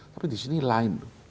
tapi di sini lain